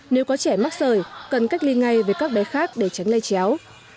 nếu có trẻ mắc sởi cần cách ly ngay với các bé khác để tránh lây chéo